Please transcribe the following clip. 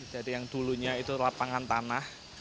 jadi yang dulunya itu lapangan tanah